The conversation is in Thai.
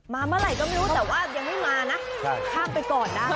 มาเมื่อไหร่ก็ไม่รู้แต่ว่ายังไม่มานะ